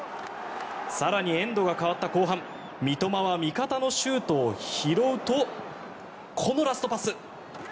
更に、エンドが変わった後半三笘は味方のシュートを拾うとこのラストパス。